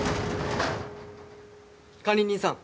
管理人さん